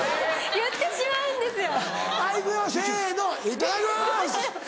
言ってしまうんですよ。